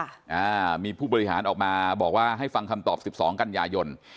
อ่ามีผู้บริหารออกมาบอกว่าให้ฟังคำตอบสิบสองกันยายน